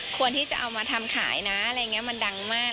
ควรที่จะเอามาทำขายนะอะไรอย่างนี้มันดังมาก